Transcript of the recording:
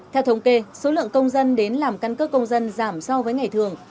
theo thống kê số lượng công dân đến làm căn cước công dân giảm so với ngày thường